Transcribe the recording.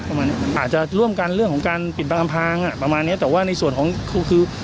ประมาณนี้อาจจะร่วมกันเรื่องของการปิดประพันธ์ภางภ์อ่ะประมาณนี้แต่ว่าในส่วนของเขาคือ